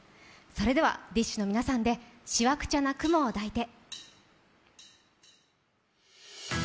それでは、ＤＩＳＨ／／の皆さんで「しわくちゃな雲を抱いて」。